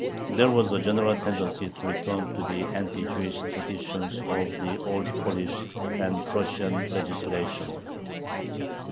There was a general tendency to return to the anti Jewish traditions of the Old Polish and Prussian legislation.